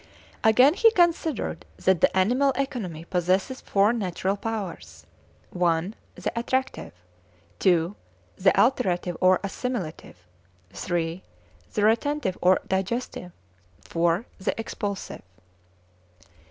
Again, he considered that the animal economy possessed four natural powers (1) The attractive. (2) The alterative or assimilative. (3) The retentive or digestive. (4) The expulsive.